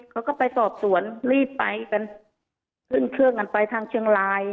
เขาก็ไปสอบสวนรีบไปกันขึ้นเครื่องกันไปทางเชียงราย